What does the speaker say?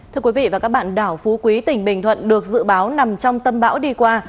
thưa quý vị và các bạn đảo phú quý tỉnh bình thuận được dự báo nằm trong tâm bão đi qua